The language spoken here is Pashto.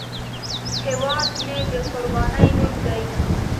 هیواد مې د قربانۍ نوم دی